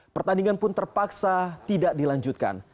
pertandingan pun terpaksa tidak dilanjutkan